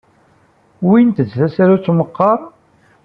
Wwint-d tasarut meqqar?